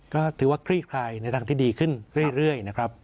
ก็ถือว่าคลี่คลายในทางที่ดีขึ้นเรื่อยนะครับ